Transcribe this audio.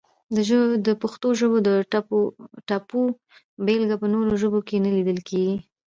د پښتو ژبې د ټپو بېلګه په نورو ژبو کې نه لیدل کیږي!